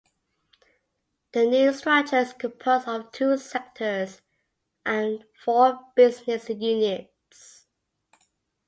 The new structure is composed of two sectors and four business units.